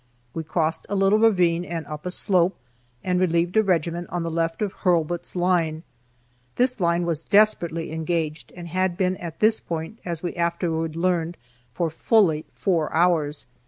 We crossed a little ravine and up a slope, and relieved a regiment on the left of Hurlbut's line. This line was desperately engaged, and had been at this point, as we afterwards learned, for fully four hours.